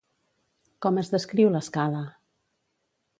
Com es descriu l'escala?